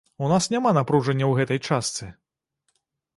У нас няма напружання ў гэтай частцы.